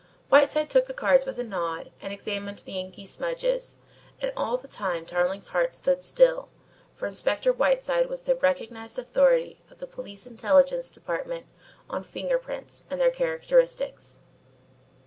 Whiteside took the cards with a nod and examined the inky smudges, and all the time Tarling's heart stood still, for Inspector Whiteside was the recognised authority of the Police Intelligence Department on finger prints and their characteristics.